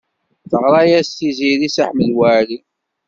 Teɣṛa-yas Tiziri i Si Ḥmed Waɛli.